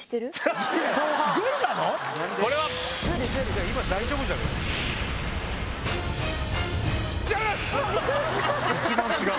じゃあ今大丈夫じゃない。一番違う。